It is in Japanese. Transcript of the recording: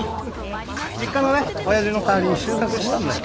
実家のね親父の代わりに収穫したんだよ。